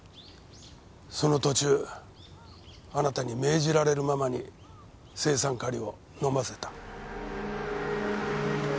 その途中あなたに命じられるままに青酸カリを飲ませた。